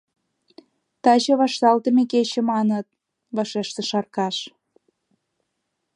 — Таче вашталтыме кече, маныт, — вашештыш Аркаш.